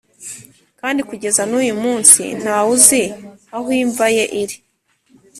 kandi kugeza n’uyu munsi nta wuzi aho imva ye iri.